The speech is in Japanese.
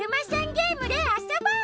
ゲームであそぼう！